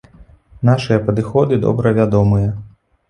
Нашыя падыходы добра вядомыя.